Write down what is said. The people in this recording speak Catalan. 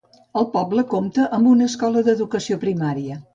El poble compta amb una escola d'educació primària.